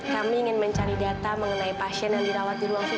kami ingin mencari data mengenai pasien yang dirawat di ruang publik